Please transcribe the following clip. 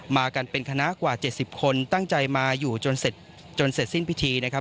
มากันเป็นคณะกว่า๗๐คนตั้งใจมาอยู่จนเสร็จจนเสร็จสิ้นพิธีนะครับ